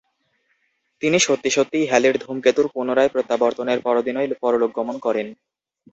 তিনি সত্যি সত্যিই হ্যালির ধূমকেতুর পুনরায় প্রত্যাবর্তনের পরদিনই পরলোকগমন করেন।